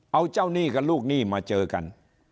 เอาเจ้าหนี้กับลูกหนี้มาเจอกัน